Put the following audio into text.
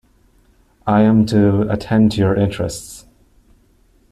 I am to attend to your interests.